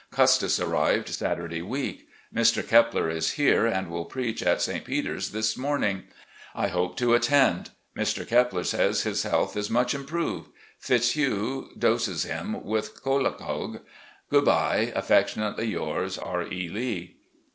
Custis arrived Saturday week. Mr. Kepler is here and will preach at St. Peter's this morning. I hope to attend. Mr. Kepler says his health is much improved. Fitzhugh doses him with cholagogue. Good bye. Affectionately yours, "R. E. Lee."